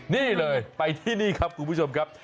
นี่เลยไปที่นี่ครับคุณผู้ชมครับ